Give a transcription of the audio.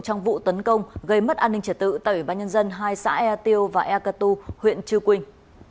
trong vụ tấn công gây mất an ninh trẻ tự tại bãi nhân dân hai xã e tiêu và e cà tu huyện chư quỳnh